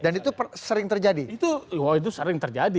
dan itu sering terjadi